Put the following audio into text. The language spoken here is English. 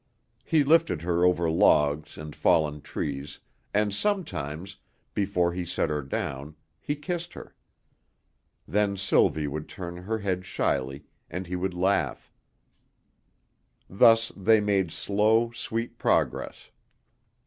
He lifted her over logs and fallen trees, and sometimes, before he set her down, he kissed her. Then Sylvie would turn her head shyly, and he would laugh. Thus they made slow, sweet progress.